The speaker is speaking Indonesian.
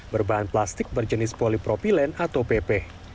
berbahan plastik berjenis polipropilen atau pp